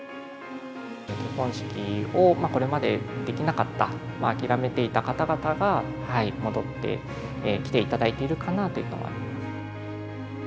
結婚式を、これまでできなかった、諦めていた方々が、戻ってきていただいているかなと。